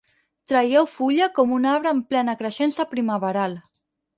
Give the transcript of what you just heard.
Traieu fulla com un arbre en plena creixença primaveral.